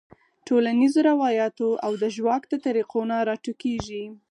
ټولنیزو رواياتو او د ژواک د طريقو نه راټوکيږي -